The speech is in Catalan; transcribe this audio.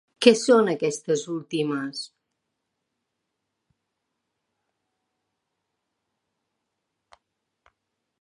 Què són aquestes últimes?